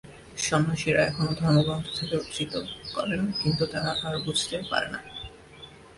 সন্ন্যাসীরা এখনও ধর্মগ্রন্থ থেকে উদ্ধৃত করেন কিন্তু তারা আর বুঝতে পারে না।